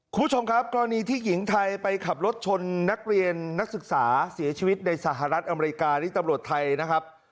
คุณผู้ชมครับกรณีที่หญิงไทยไปขับรถชนนักเรียนนักศึกษาเสียชีวิตในสหรัฐอเมริกานี่ตำรวจไทยนะครับ